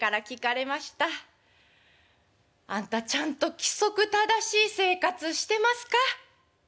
「あんたちゃんと規則正しい生活してますか？」。